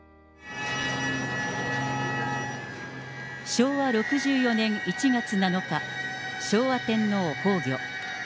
昭和６４年１月７日、昭和天皇崩御。